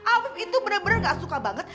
alvis itu bener bener gak suka banget